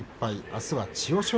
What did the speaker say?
あすは千代翔